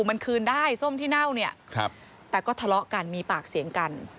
มันคืนได้ส้มที่เน่าเนี่ยแต่ก็ทะเลาะกันมีปากเสียงกัน